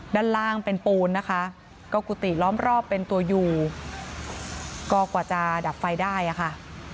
ด้านล่างเป็นปูนนะคะก็กุฏิล้อมรอบเป็นตัวอยู่ก็กว่าจะดับไฟได้อะค่ะ